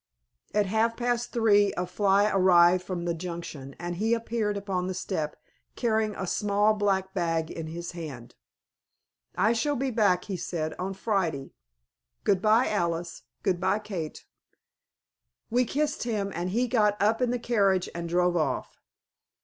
At half past three a fly arrived from the Junction, and he appeared upon the step carrying a small black bag in his hand. "I shall be back," he said, "on Friday. Goodbye, Alice; goodbye, Kate." We kissed him, and he got up in the carriage and drove off.